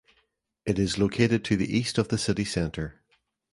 It is located to the east of the city centre.